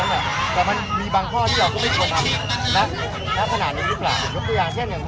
แต่มันเป็นการแสดงที่เราแตกต่างจากประเทศอื่นอีก